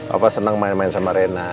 opa seneng main main sama rena